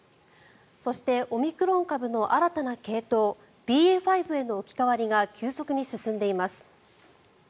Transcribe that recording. そしてオミクロン株の新たな系統ＢＡ．５への置き換わりが急速に進んでいます。